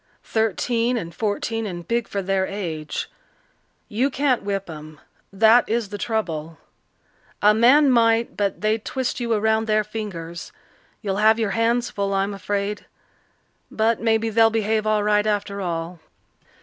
Thirteen and fourteen and big for their age. You can't whip 'em that is the trouble. A man might, but they'd twist you around their fingers. You'll have your hands full, I'm afraid. But maybe they'll behave all right after all."